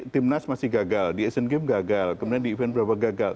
timnas masih gagal di asian games gagal kemudian di event berapa gagal